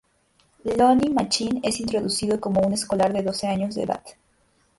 Lonnie Machin es introducido como un escolar de doce años de edad.